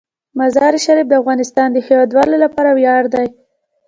مزارشریف د افغانستان د هیوادوالو لپاره ویاړ دی.